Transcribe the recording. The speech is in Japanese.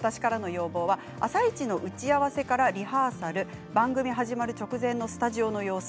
「あさイチ」の打ち合わせからリハーサル、番組始まる直前のスタジオの様子